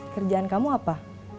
kerjaan kamu apa